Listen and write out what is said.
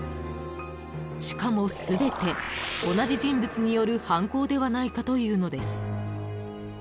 ［しかも全て同じ人物による犯行ではないかというのです］